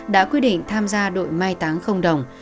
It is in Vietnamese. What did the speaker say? đã quyết định tham gia đội mai táng không đồng